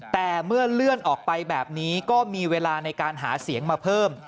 แต่เมื่อเลื่อนออกไปแบบนี้ก็มีเวลาในการหาเสียงมาเพิ่ม